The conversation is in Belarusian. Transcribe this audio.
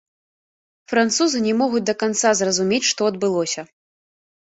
Французы не могуць да канца зразумець, што адбылося.